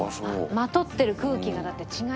まとってる空気がだって違いますよ